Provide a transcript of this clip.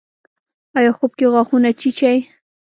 ایا خوب کې غاښونه چیچئ؟